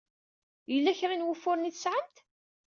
Yella kra n wufuren ay tesɛamt?